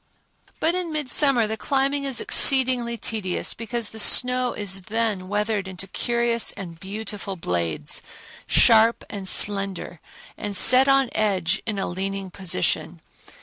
But in midsummer the climbing is exceedingly tedious because the snow is then weathered into curious and beautiful blades, sharp and slender, and set on edge in a leaning position.